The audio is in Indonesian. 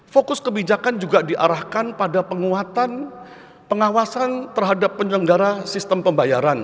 fokus kebijakan juga diarahkan pada penguatan pengawasan terhadap penyelenggara sistem pembayaran